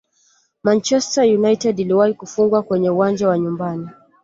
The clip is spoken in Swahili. manchester united iliwahi kufungwa kwenye uwanja wa nyumbani